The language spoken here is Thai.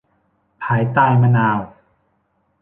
ภายใต้มะนาว